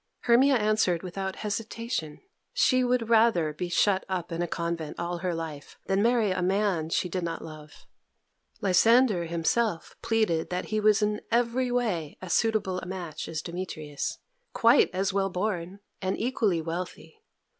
Hermia answered without hesitation: she would rather be shut up in a convent all her life than marry a man she did not love. Lysander himself pleaded that he was in every way as suitable a match as Demetrius quite as well born and equally wealthy.